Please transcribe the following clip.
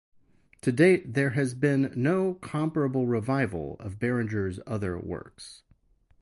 To date there has been no comparable revival of Barringer's other works.